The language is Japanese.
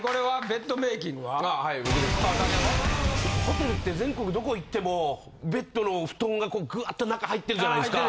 ホテルって全国どこ行ってもベッドの布団がぐわっと中入ってるじゃないですか。